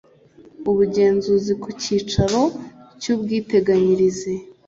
ubugenzuzi ku cyicaro cy ubwiteganyirize